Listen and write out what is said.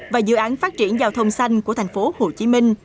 và dự án phát triển giao thông xanh của tp hcm